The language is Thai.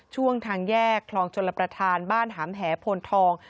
ช่วงทางแยกคลองชลประธานบ้านหามแหโพนทอง